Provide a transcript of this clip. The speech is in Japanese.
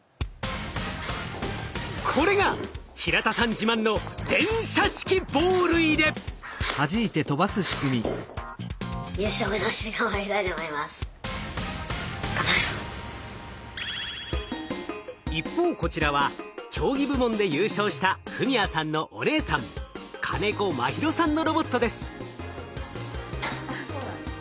これが平田さん自慢の一方こちらは競技部門で優勝した史哉さんのお姉さん金子茉尋さんのロボットです。